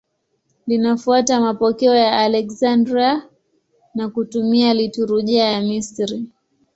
Linafuata mapokeo ya Aleksandria na kutumia liturujia ya Misri.